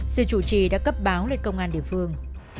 sự chủ trì đã cấp báo lên công an địa phương